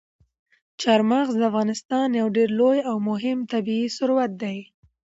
چار مغز د افغانستان یو ډېر لوی او مهم طبعي ثروت دی.